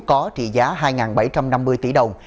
có trị giá hai bảy trăm năm mươi tỷ đồng